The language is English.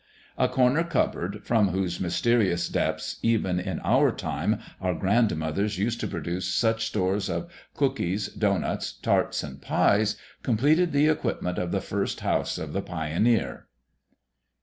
A corner cupboard, from whose mysterious depths, even in our time, our grandmothers used to produce such stores of cookies, doughnuts, tarts, and pies, completed the equipment of the first house of the pioneer.